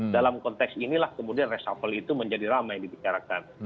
dalam konteks inilah kemudian reshuffle itu menjadi ramai dibicarakan